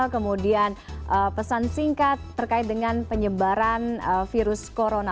kemudian pesan singkat terkait dengan penyebaran virus corona